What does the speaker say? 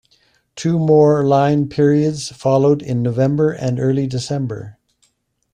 Two more line periods followed in November and early December.